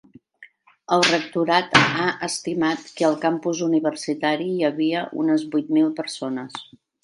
El rectorat ha estimat que al campus universitari hi havia unes vuit mil persones.